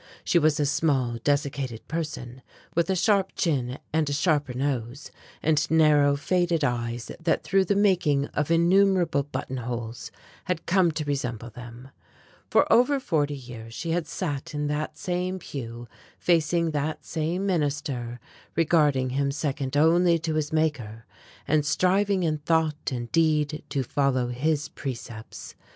She was a small desiccated person, with a sharp chin and a sharper nose, and narrow faded eyes that through the making of innumerable buttonholes had come to resemble them. For over forty years she had sat in that same pew facing that same minister, regarding him second only to his Maker, and striving in thought and deed to follow his precepts.